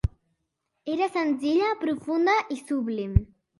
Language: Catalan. Era senzilla, profunda i sublim.